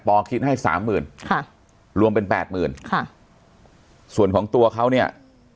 คิดให้สามหมื่นค่ะรวมเป็นแปดหมื่นค่ะส่วนของตัวเขาเนี่ย